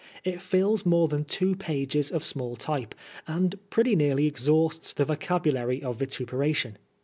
It fills more than two pages of small type, and pretty nearly exhausts the vocabulary of vituperation.